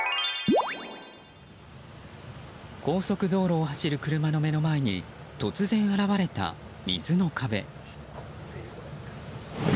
高速道路を走る車の目の前に突然現れた水の壁。